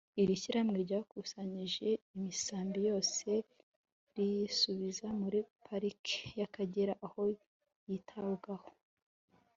Iri shyirahamwe ryakusanyije imisambi yose riyisubiza muri pariki y’Akagera aho yitabwaho